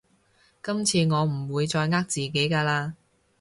今次我唔會再呃自己㗎喇